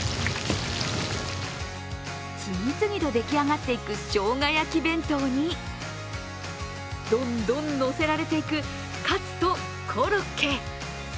次々と出来上がっていくしょうが焼き弁当にどんどんのせられていくカツとコロッケ。